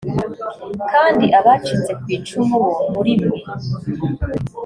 kandi abacitse ku icumu bo muri mwe